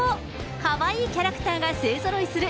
かわいいキャラクターが勢ぞろいする